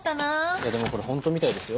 いやでもこれホントみたいですよ。